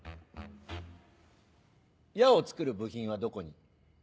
矢を作る部品はどこに？